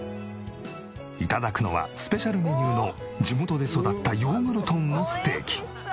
頂くのはスペシャルメニューの地元で育ったヨーグル豚のステーキ。